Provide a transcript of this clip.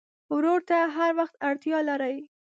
ورور ته هر وخت اړتیا لرې.